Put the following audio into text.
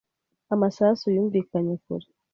Amasasu yumvikanye kure.